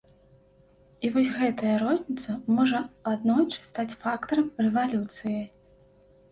І вось гэтая розніца можа аднойчы стаць фактарам рэвалюцыі.